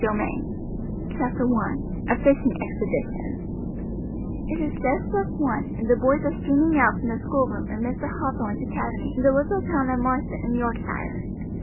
Henty CHAPTER I: A FISHING EXPEDITION It has just struck one, and the boys are streaming out from the schoolroom of Mr. Hathorn's academy in the little town of Marsden in Yorkshire.